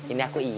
ini aku ian